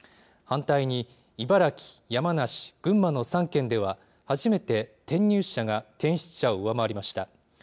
反対に茨城、山梨、群馬の３県では、初めて転入者が転出者を上回りました。